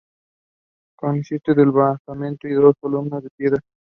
Consiste en un basamento y dos columnas de piedra.